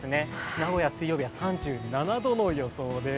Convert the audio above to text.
名古屋水曜日は３７度の予想です。